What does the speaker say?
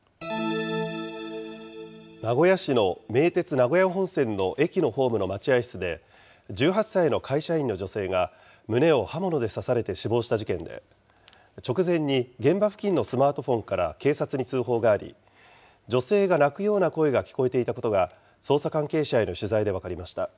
名古屋市の名鉄名古屋本線の駅のホームの待合室で、１８歳の会社員の女性が、胸を刃物で刺されて死亡した事件で、直前に現場付近のスマートフォンから警察に通報があり、女性が泣くような声が聞こえていたことが、捜査関係者への取材で分かりました。